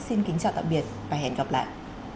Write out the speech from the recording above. xin kính chào tạm biệt và hẹn gặp lại